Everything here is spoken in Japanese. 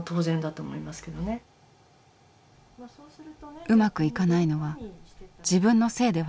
うまくいかないのは自分のせいではない。